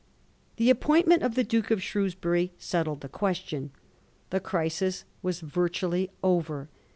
The appointment of the Duke of Shrewsbury settled the question. The crisis was virtually over.